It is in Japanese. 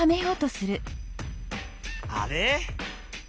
あれ？